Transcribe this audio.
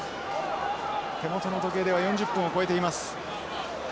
手元の時計では４０分を超えています。